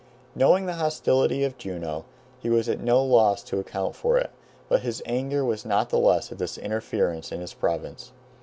Knowing the hostility of Juno, he was at no loss to account for it, but his anger was not the less at this interference in his province.